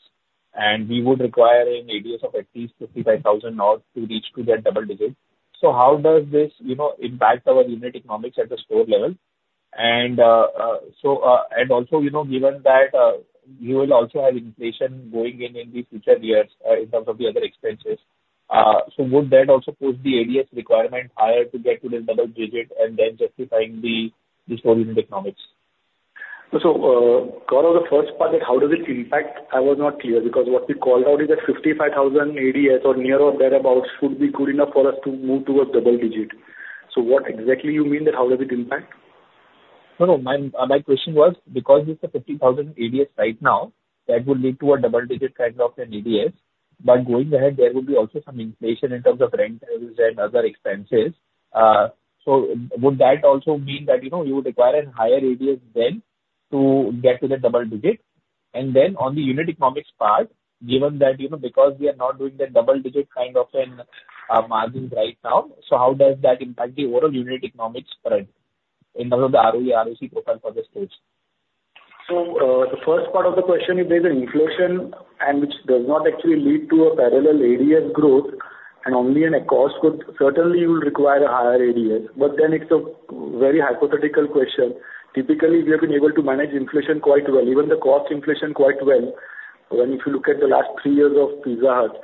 and we would require an ADS of at least 55,000 or near to reach to that double digit. So how does this, you know, impact our unit economics at the store level? And, so, and also, you know, given that, you will also have inflation going in in the future years, in terms of the other expenses, so would that also push the ADS requirement higher to get to the double digit and then justifying the, the store unit economics? So, Gaurav, the first part, how does it impact? I was not clear, because what we called out is that 55,000 ADS or near or thereabout should be good enough for us to move towards double digit. So what exactly you mean that how does it impact? No, no. My, my question was, because it's a 55,000 ADS right now, that would lead to a double-digit kind of an ADS. But going ahead, there will be also some inflation in terms of rent and other expenses. So would that also mean that, you know, you would require a higher ADS then to get to the double digit? And then on the unit economics part, given that, you know, because we are not doing the double-digit kind of an margins right now, so how does that impact the overall unit economics for it, in terms of the ROE, ROC total for the stage? The first part of the question, if there's an inflation and which does not actually lead to a parallel ADS growth and only in a cost, certainly you will require a higher ADS. But then it's a very hypothetical question. Typically, we have been able to manage inflation quite well, even the cost inflation quite well, when if you look at the last three years of Pizza Hut.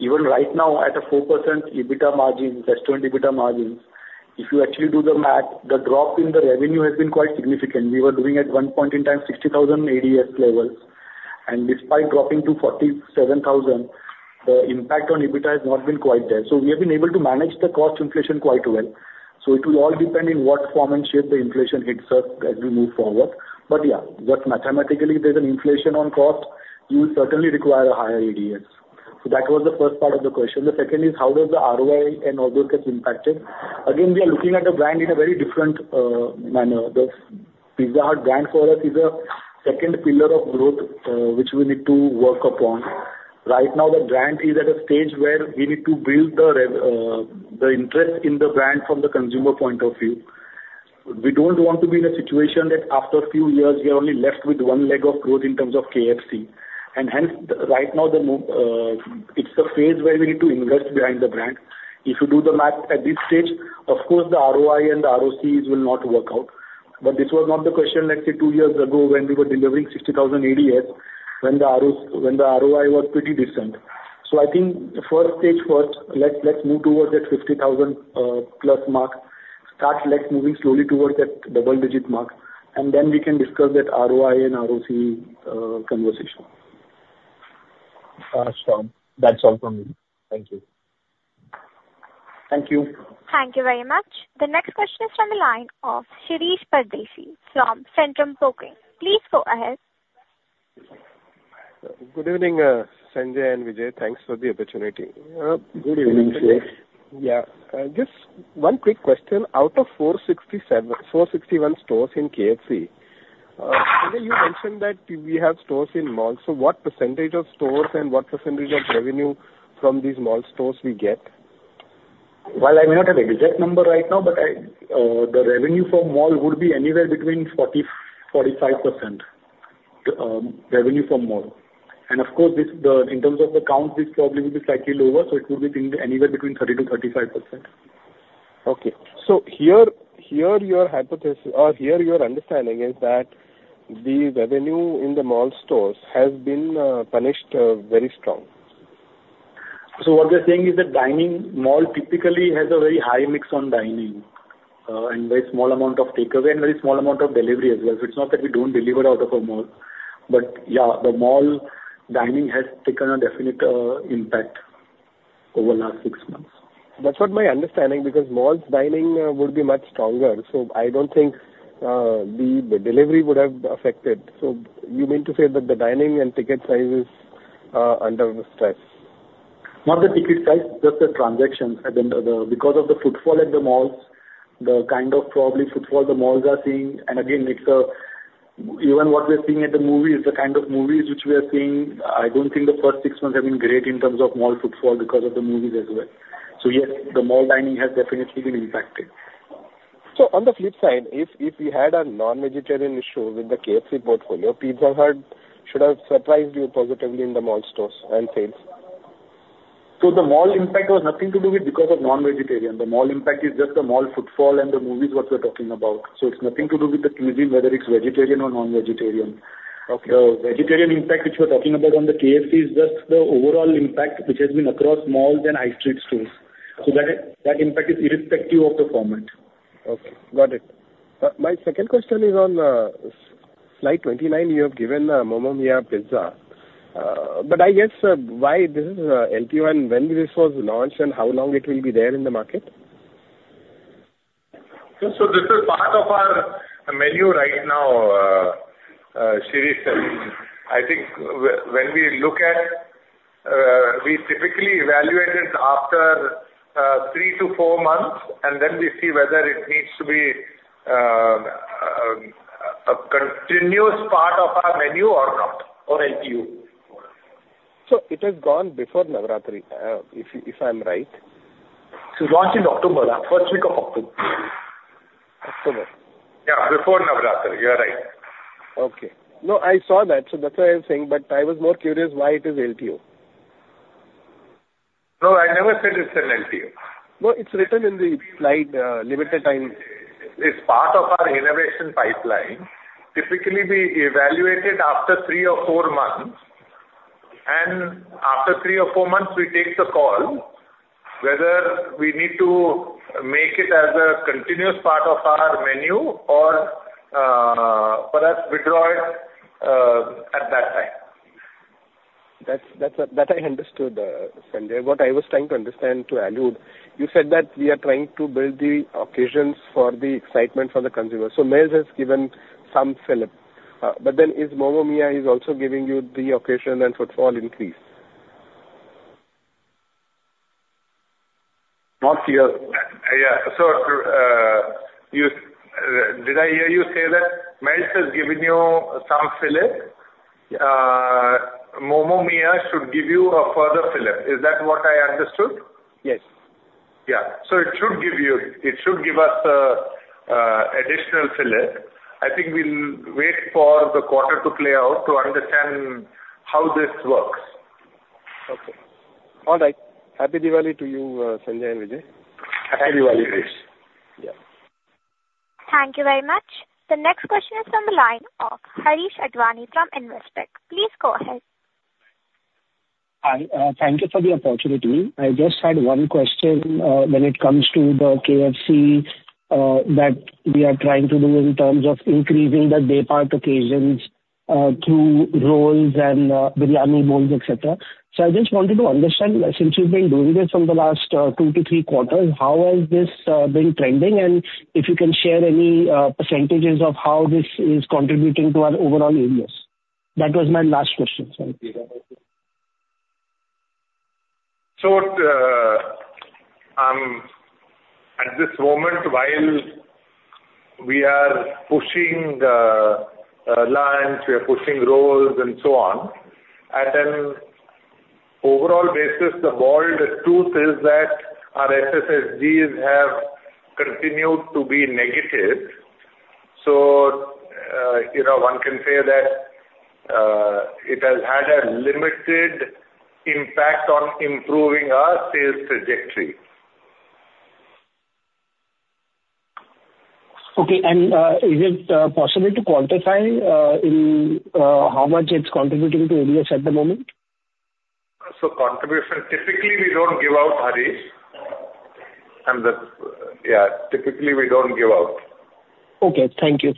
Even right now, at a 4% EBITDA margin, restaurant EBITDA margin, if you actually do the math, the drop in the revenue has been quite significant. We were doing at one point in time, 60,000 ADS levels, and despite dropping to 47,000, the impact on EBITDA has not been quite there. We have been able to manage the cost inflation quite well. So it will all depend on what form and shape the inflation hits us as we move forward. But yeah, but mathematically, there's an inflation on cost, you will certainly require a higher ADS. So that was the first part of the question. The second is how does the ROI and all those get impacted? Again, we are looking at a brand in a very different, manner. The Pizza Hut brand for us is a second pillar of growth, which we need to work upon. Right now, the brand is at a stage where we need to build the rev, the interest in the brand from the consumer point of view. We don't want to be in a situation that after a few years, we are only left with one leg of growth in terms of KFC. And hence, right now, it's a phase where we need to invest behind the brand. If you do the math at this stage, of course, the ROI and the ROCs will not work out. But this was not the question, let's say, two years ago, when we were delivering 60,000 ADS, when the ROI was pretty decent. So I think the first stage first. Let's move towards that 50,000 plus mark. Start like moving slowly towards that double-digit mark, and then we can discuss that ROI and ROC conversation. Strong. That's all from me. Thank you. Thank you. Thank you very much. The next question is from the line of Shirish Pardeshi from Centrum Broking. Please go ahead. Good evening, Sanjay and Vijay. Thanks for the opportunity. Good evening, Shirish. Yeah. Just one quick question: Out of 461 stores in KFC, Sanjay, you mentioned that we have stores in malls. So what percentage of stores and what percentage of revenue from these mall stores we get? I may not have the exact number right now, but the revenue from mall would be anywhere between 40%-45%, revenue from mall. And of course, this in terms of the count, this probably will be slightly lower, so it would be anywhere between 30%-35%. Okay. So your hypothesis or your understanding is that the revenue in the mall stores has been up very strong. So what we are saying is that dining, mall typically has a very high mix on dining, and very small amount of takeaway and very small amount of delivery as well. It's not that we don't deliver out of a mall, but yeah, the mall dining has taken a definite impact over the last six months. That's my understanding, because mall dining would be much stronger, so I don't think the delivery would have affected. So you mean to say that the dining and ticket size is under stress? Not the ticket size, just the transaction. Because of the footfall at the malls, the kind of probably footfall the malls are seeing, and again, it's a, even what we are seeing at the movies, the kind of movies which we are seeing, I don't think the first six months have been great in terms of mall footfall because of the movies as well. So yes, the mall dining has definitely been impacted. So on the flip side, if we had a non-vegetarian issue with the KFC portfolio, Pizza Hut should have surprised you positively in the mall stores and sales? So the mall impact was nothing to do with because of non-vegetarian. The mall impact is just the mall footfall and the movies, what we're talking about. So it's nothing to do with the cuisine, whether it's vegetarian or non-vegetarian. The vegetarian impact, which we're talking about on the KFC, is just the overall impact which has been across malls and high street stores. So that impact is irrespective of the format. Okay, got it. My second question is on slide 29. You have given Momo Mia Pizza, but I guess, why this is LPO, and when this was launched, and how long it will be there in the market? This is part of our menu right now, Shirish. I think when we look at. We typically evaluate it after three to four months, and then we see whether it needs to be a continuous part of our menu or not, or LPO. So it has gone before Navratri, if I'm right? It was launched in October, first week of October. October. Yeah, before Navratri. You're right. Okay. No, I saw that, so that's why I'm saying, but I was more curious why it is LPO. No, I never said it's an LPO. No, it's written in the slide, limited time. It's part of our innovation pipeline. Typically, we evaluate it after three or four months, and after three or four months, we take the call whether we need to make it as a continuous part of our menu or, perhaps withdraw it, at that time. That's that I understood, Sanjay. What I was trying to understand, you alluded, you said that we are trying to build the occasions for the excitement for the consumer. So Melts has given some fillip, but then is Momo Mia is also giving you the occasion and footfall increase? Not clear. Yeah. So, did I hear you say that Melts has given you some fillip? Momo Mia should give you a further fillip. Is that what I understood? Yes. Yeah, so it should give us a additional fillip. I think we'll wait for the quarter to play out to understand how this works. Okay. All right. Happy Diwali to you, Sanjay and Vijay. Happy Diwali, Shirish. Yeah. Thank you very much. The next question is from the line of Harish Advani from Investec. Please go ahead. Hi, thank you for the opportunity. I just had one question, when it comes to the KFC, that we are trying to do in terms of increasing the daypart occasions, through rolls and, biryani bowls, et cetera. So I just wanted to understand, since you've been doing this from the last, two to three quarters, how has this, been trending? And if you can share any, percentages of how this is contributing to our overall ADS. That was my last question. Sorry. So, at this moment, while we are pushing the alliance, we are pushing rolls and so on, at an overall basis, the bold truth is that our SSSGs have continued to be negative. So, you know, one can say that it has had a limited impact on improving our sales trajectory. Okay. And, is it possible to quantify how much it's contributing to ADS at the moment? So, contribution, typically, we don't give out, Harish, and that's, yeah, typically, we don't give out. Okay. Thank you.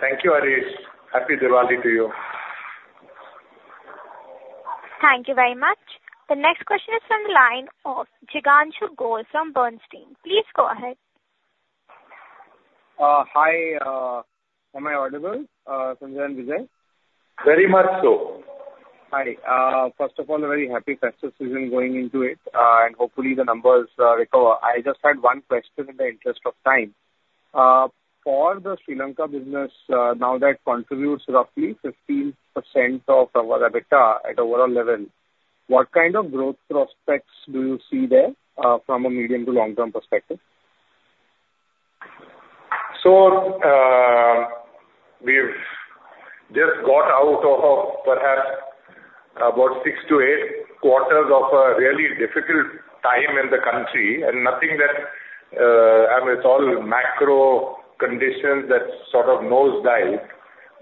Thank you, Harish. Happy Diwali to you. Thank you very much. The next question is from the line of Jignanshu Gor from Bernstein. Please go ahead. Hi, am I audible, Sanjay and Vijay? Very much so. Hi. First of all, a very happy festive season going into it, and hopefully the numbers recover. I just had one question in the interest of time. For the Sri Lanka business, now that contributes roughly 15% of our EBITDA at overall level, what kind of growth prospects do you see there, from a medium to long-term perspective? We've just got out of perhaps about six to eight quarters of a really difficult time in the country and nothing that, I mean, it's all macro conditions that sort of nosedive.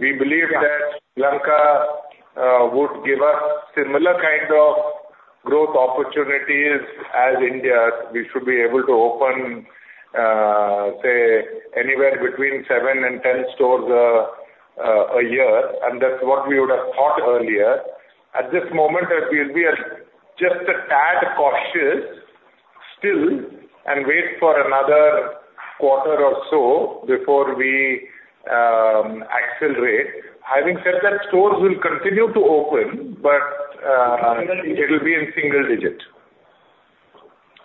We believe that Sri Lanka would give us similar kind of growth opportunities as India. We should be able to open, say, anywhere between seven and ten stores a year, and that's what we would have thought earlier. At this moment, we'll be just a tad cautious still and wait for another quarter or so before we accelerate. Having said that, stores will continue to open, but it will be in single digit.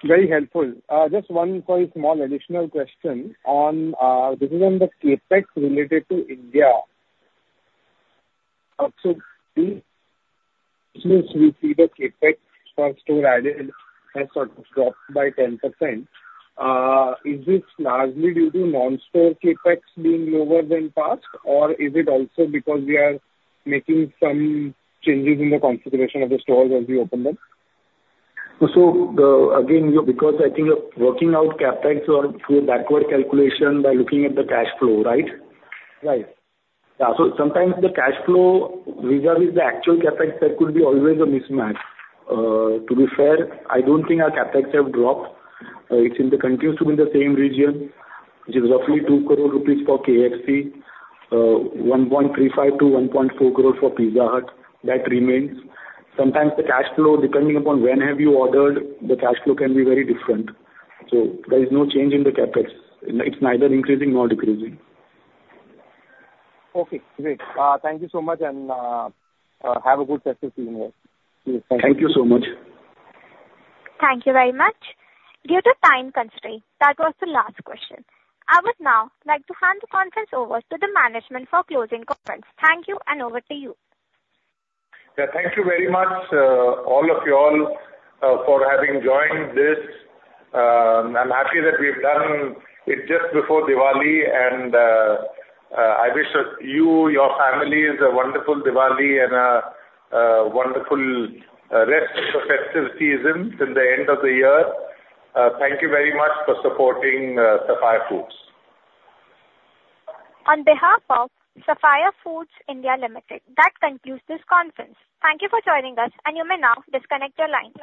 Very helpful. Just one very small additional question on. This is on the CapEx related to India. So, since we see the CapEx per store added has sort of dropped by 10%, is this largely due to non-store CapEx being lower than past? Or is it also because we are making some changes in the configuration of the stores as we open them? Again, because I think you're working out CapEx on through a backward calculation by looking at the cash flow, right? Right. Yeah, so sometimes the cash flow vis-a-vis the actual CapEx, there could be always a mismatch. To be fair, I don't think our CapEx have dropped. It continues to be in the same region, which is roughly 2 crore rupees for KFC, 1.35 crore-1.4 crore for Pizza Hut that remains. Sometimes the cash flow, depending upon when have you ordered, the cash flow can be very different. So there is no change in the CapEx. It's neither increasing nor decreasing. Okay, great. Thank you so much, and have a good festive season. Thank you so much. Thank you very much. Due to time constraint, that was the last question. I would now like to hand the conference over to the management for closing comments. Thank you, and over to you. Yeah, thank you very much, all of you all, for having joined this. I'm happy that we've done it just before Diwali, and I wish you, your families, a wonderful Diwali and a wonderful rest of the festive season till the end of the year. Thank you very much for supporting Sapphire Foods. On behalf of Sapphire Foods India Limited, that concludes this conference. Thank you for joining us, and you may now disconnect your lines.